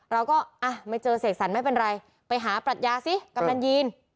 เราก็อ่ะไม่เจอเสกสรรไม่เป็นไรไปหาปรัชญาสิกำนันยีน